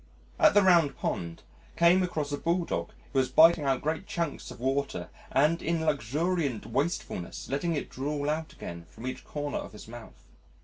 At the Round Pond, came across a Bulldog who was biting out great chunks of water and in luxuriant waste fulness letting it drool out again from each corner of his mouth.